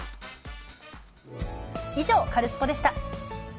以上、カルスポっ！でした。